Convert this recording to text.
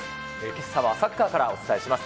けさはサッカーからお伝えします。